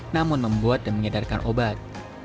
namun membuat dan mengedarkan obat